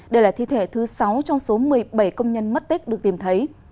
đây là thi thể thứ sáu trong số một mươi bảy công nhân mất tích được tìm thấy